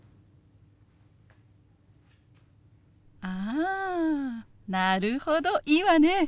あなるほどいいわね。